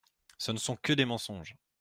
Ce ne sont que des mensonges !